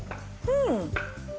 うん！